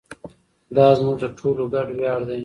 دا زموږ د ټولو ګډ ویاړ دی.